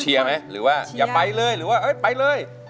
เดี๋ยวไปเลย